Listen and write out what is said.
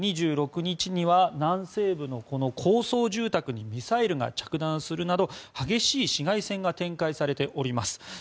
２６日には南西部の高層住宅にミサイルが着弾するなど激しい市街戦が展開されております。